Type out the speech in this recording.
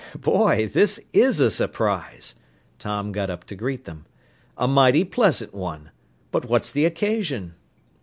"Boy, this is a surprise!" Tom got up to greet them. "A mighty pleasant one. But what's the occasion?"